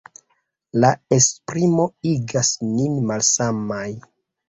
La esprimo igas nin malsanaj.